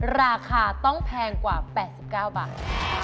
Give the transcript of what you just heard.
ราคาต้องแพงกว่า๘๙บาท